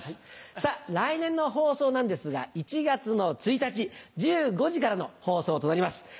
さぁ来年の放送なんですが１月１日１５時からの放送となります。